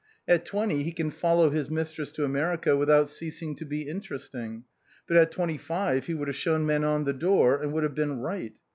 At twenty he can follow his mistress to America without ceasing to be interesting, but at twenty five he would have shown Manon the door, and would have been right.